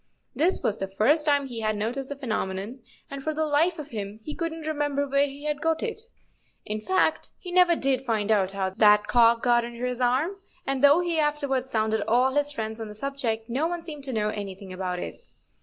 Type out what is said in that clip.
This was the first time he had noticed the phenomenon, and for the life of him he couldn't remember where he had got it. In fact, he never did find out how that cock got under his arm; and though he afterwards sounded all his friends on the subject, no one seemed to know any¬ thing about it.